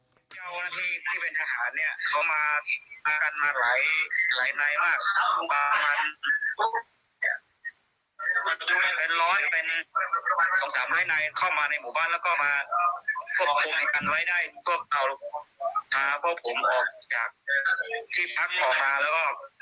เพื่อน๒๓พระนัยเข้ามาหมาแน่หมู่บ้านแล้วก็มาพกน้อยไม้ได้พาพวกผมออกจากที่พักออกมาเราก็